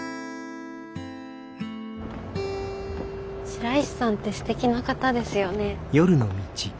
白石さんってすてきな方ですよね。